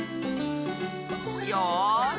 よし。